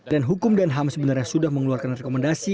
dan hukum dan ham sebenarnya sudah mengeluarkan rekomendasi